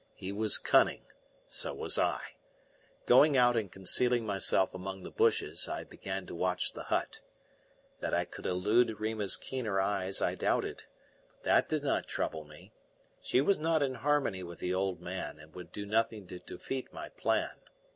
He was cunning; so was I. Going out and concealing myself among the bushes, I began to watch the hut. That I could elude Rima's keener eyes I doubted; but that did not trouble me. She was not in harmony with the old man, and would do nothing to defeat my plan.